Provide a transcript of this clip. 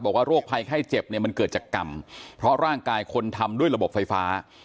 โรคภัยไข้เจ็บเนี่ยมันเกิดจากกรรมเพราะร่างกายคนทำด้วยระบบไฟฟ้า